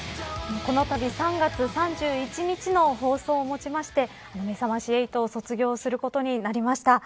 このたび３月３１日の放送をもちましてめざまし８を卒業することになりました。